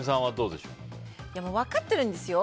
分かってるんですよ。